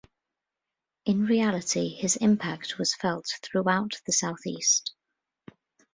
In reality, his impact was felt throughout the southeast.